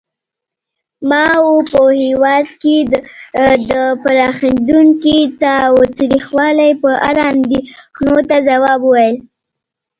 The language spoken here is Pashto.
ماوو په هېواد کې د پراخېدونکي تاوتریخوالي په اړه اندېښنو ته ځواب وویل.